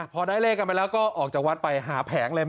พอได้เลขกันไปแล้วก็ออกจากวัดไปหาแผงเลย